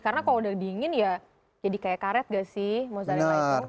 karena kalau udah dingin ya jadi kayak karet gak sih mozzarella itu